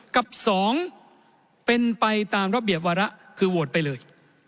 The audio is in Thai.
กับ๒เป็นไปตามระเบียบวาระคือโหวตไปเลย